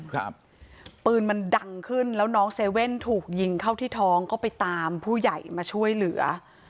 ปืนมันดังขึ้นแล้วน้องเซเว่นถูกยิงเข้าที่ท้องก็ไปตามผู้ใหญ่มาช่วยเหลือ